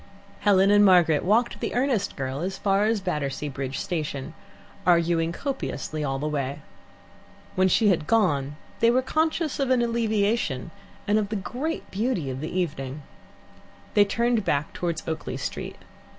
Helen and Margaret walked the earnest girl as far as Battersea Bridge Station, arguing copiously all the way. When she had gone they were conscious of an alleviation, and of the great beauty of the evening. They turned back towards Oakley Street.